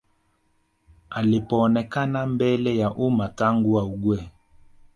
Alipoonekana mbele ya umma tangu augue